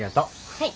はい。